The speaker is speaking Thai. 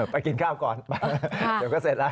ไปกินข้าวก่อนไปเดี๋ยวก็เสร็จแล้ว